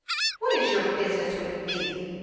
What is your business with me ?